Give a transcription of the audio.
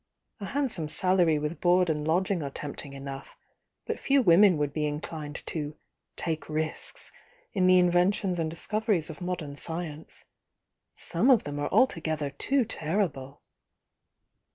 A handsome salary with board and lodging are tempting enough, but few women would be inclined to 'take risks' in the inventions and dis coveries of modem science. Some of them are alto gether too terrible!"